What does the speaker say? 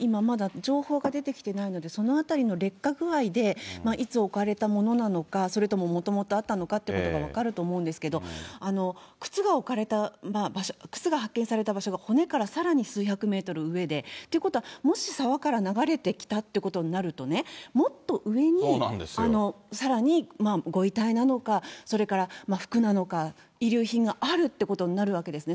今まだ情報が出てきていないので、そのあたりの劣化具合で、いつ置かれたものなのか、それとも、もともとあったのかっていうことが分かると思うんですけど、靴が発見された場所が、骨からさらに数百メートル上で、ということは、もし沢から流れてきたということになると、もっと上に、さらにご遺体なのか、それから服なのか、遺留品があるということになるわけですね。